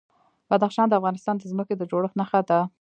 بدخشان د افغانستان د ځمکې د جوړښت نښه ده.